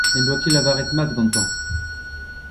n'en doa ket lavaret mat gantañ